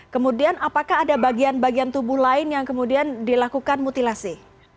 kemudian apakah ada bagian bagian tubuh lain yang kemudian dilakukan mutilasi